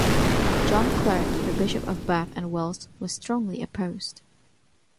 John Clerk, the Bishop of Bath and Wells was strongly opposed.